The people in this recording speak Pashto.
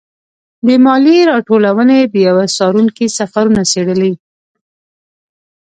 د مالیې راټولونې د یوه څارونکي سفرونه څېړلي.